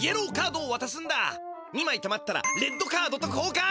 ２まいたまったらレッドカードとこうかん。